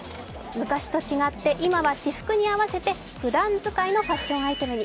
昔と違って今は私服に合わせてふだん使いのファッションアイテムに。